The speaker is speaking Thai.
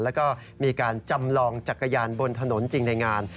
แล้วก็มีการจำลองจักรยานบนถนนจริงในงาน